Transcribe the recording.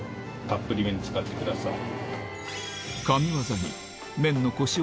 たっぷりめに使ってください。